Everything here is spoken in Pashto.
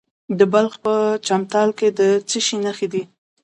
د بلخ په چمتال کې د څه شي نښې دي؟